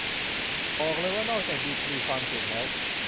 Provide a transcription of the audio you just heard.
บอกเลยว่านอกจากดีกรีความเก่งแล้ว